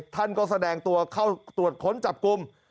ท่านก็แสดงตัวเข้าตรวจค้นจับกลุ่ม